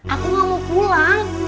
aku gak mau pulang